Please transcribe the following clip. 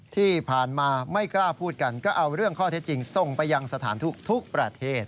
ที่ผ่านมาไม่กล้าพูดกันก็เอาเรื่องข้อเท็จจริงส่งไปยังสถานทุกประเทศ